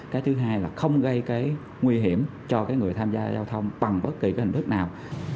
cái thứ hai là không gây cái nguy hiểm cho cái người tham gia giao thông bằng bất kỳ cái hình thức nào